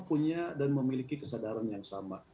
punya dan memiliki kesadaran yang sama